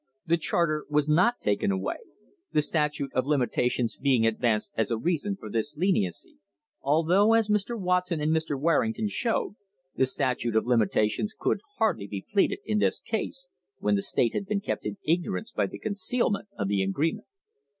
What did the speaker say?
The charter was not taken away the statute of limitations being advanced as a reason for this leni ency, although, as Mr. Watson and Mr. Warrington showed, the statute of limitations could hardly be pleaded in this case, when the state had been kept in ignorance by the concealment of the agreement.